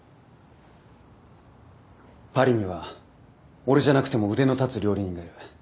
パリには俺じゃなくても腕の立つ料理人がいる。